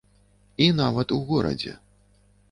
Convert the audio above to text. І нават у горадзе.